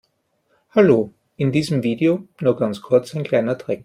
Hallo, in diesem Video nur ganz kurz ein kleiner Trick.